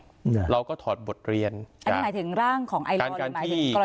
อ่าเราก็ถอดบทเรียนแล้วอย่างไหนถึงร่างของไอลอลเระไหม